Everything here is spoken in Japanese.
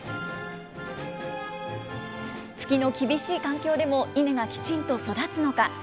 月の厳しい環境でもイネがきちんと育つのか。